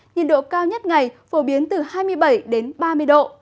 nhiệt độ cao nhất ngày phổ biến từ hai mươi bảy ba mươi độ